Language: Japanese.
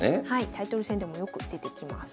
タイトル戦でもよく出てきます。